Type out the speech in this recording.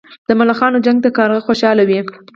د ملخانو جنګ ته کارغه خوشاله وي.